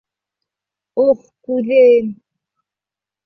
Ох, күҙем!